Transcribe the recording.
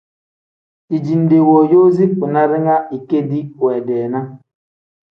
Dijinde wooyoozi kpina ringa ikendi wendeenaa.